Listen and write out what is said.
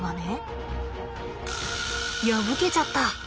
破けちゃった。